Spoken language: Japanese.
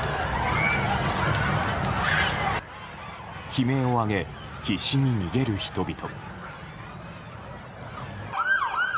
悲鳴を上げ、必死に逃げる人々。